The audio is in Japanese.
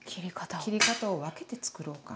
切り方を分けて作ろうかなと。